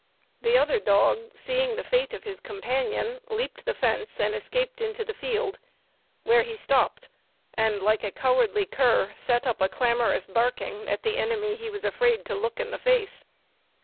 The other dog, seeing the fate of his companion, leaped the fence, and escaped into the field, where he stopped, and like a cowardly cur, set up a clamorous barking at the enemy he was afraid to look in the face.